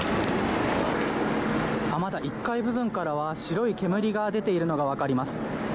まだ１階部分からは白い煙が出ているのが分かります。